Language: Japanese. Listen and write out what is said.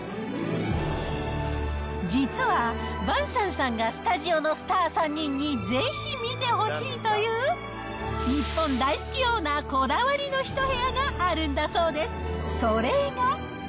実は、ヴァンサンさんがスタジオのスター３人にぜひ見てほしいという、日本大好きオーナーこだわりの一部屋があるんだそうです。